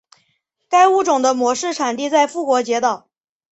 该物种的模式产地在复活节岛。